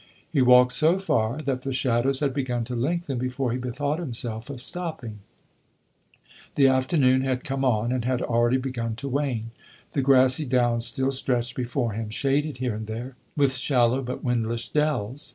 He walked so far that the shadows had begun to lengthen before he bethought himself of stopping; the afternoon had come on and had already begun to wane. The grassy downs still stretched before him, shaded here and there with shallow but windless dells.